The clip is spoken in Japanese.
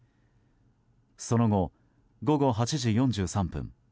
その後、午後８時４３分